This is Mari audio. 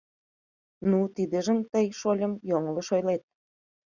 — Ну, тидыжым тый, шольым, йоҥылыш ойлет.